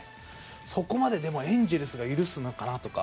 そこまでエンゼルスが許すのかなとか。